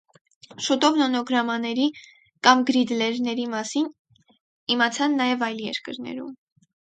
Շուտով նոնոգրամաների կամ գրիդլերների մասին իմացան նաև այլ երկրներում։